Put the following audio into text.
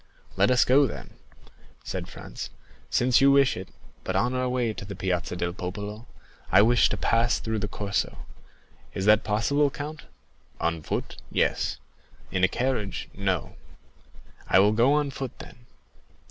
"Let us go, then," said Franz, "since you wish it; but on our way to the Piazza del Popolo, I wish to pass through the Corso. Is this possible, count?" "On foot, yes, in a carriage, no." "I will go on foot, then."